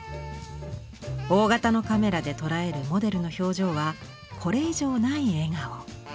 大型のカメラで捉えるモデルの表情はこれ以上ない笑顔。